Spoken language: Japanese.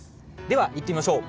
では行ってみましょう。